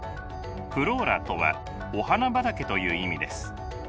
フローラとはお花畑という意味です。